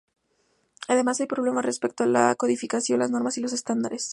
Además, hay problemas respecto a la codificación, las normas y los estándares.